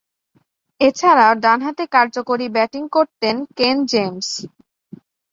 এছাড়াও, ডানহাতে কার্যকরী ব্যাটিং করতেন কেন জেমস।